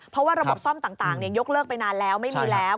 เพราะว่าระบบซ่อมต่างยกเลิกไปนานแล้วไม่มีแล้ว